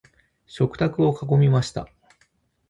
食卓を囲みました。